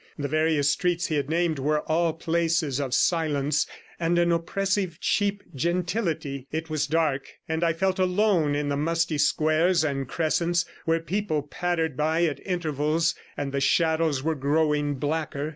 The various streets he had named were all places of silence and an oppressive cheap gentility; it was dark, and I felt alone in the musty squares and crescents, where people pattered by at intervals, and the shadows were growing blacker.